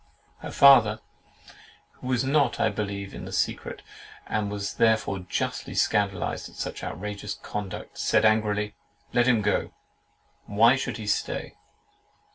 Her father, who was not, I believe, in the secret, and was therefore justly scandalised at such outrageous conduct, said angrily, "Let him go! Why should he stay?"